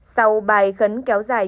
sau bài khấn kéo dài